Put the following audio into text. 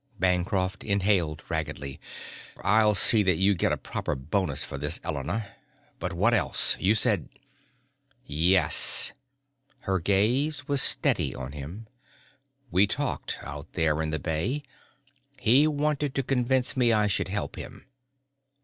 Bancroft inhaled raggedly. "I'll see that you get a proper bonus for this, Elena. But what else? You said...." "Yes." Her gaze was steady on him. "We talked, out there in the bay. He wanted to convince me I should help him.